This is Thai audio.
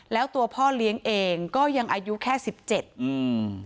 แล้วตัวพ่อเลี้ยงเองก็ยังอายุแค่สิบเจ็ดอืม